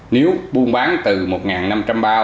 nếu buôn bán từ một năm trăm linh bao đến dưới ba bao